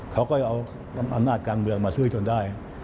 เขาก็เอาอำนาจการเมืองมาช่วยจนได้